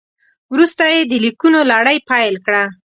وروسته یې د لیکونو لړۍ پیل کړه.